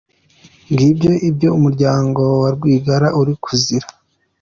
Ngibyo ibyo umuryango wa Rwigara uri kuzira.